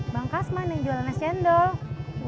bang kasman yang jualan es cendol